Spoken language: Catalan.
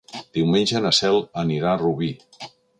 Diumenge na Cel anirà a Rubí.